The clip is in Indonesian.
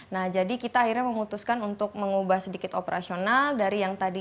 nah jadi kita akhirnya memutuskan untuk mengubah sedikit operasional dari yang tadi